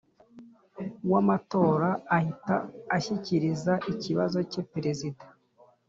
W amatora ahita ashyikiriza ikibazo cye perezida